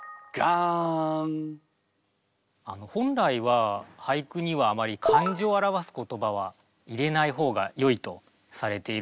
あの本来は俳句にはあまり感情を表す言葉は入れない方がよいとされているんです。